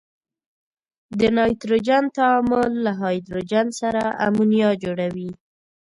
د نایتروجن تعامل له هایدروجن سره امونیا جوړوي.